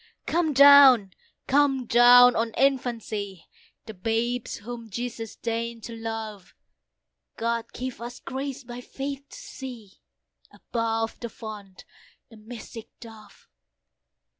Come down! come down! on infancy, The babes whom Jesus deign'd to love; God give us grace by faith to see, Above the Font, the mystic Dove.